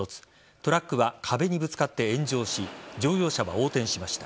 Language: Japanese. トラックは壁にぶつかって炎上し乗用車は横転しました。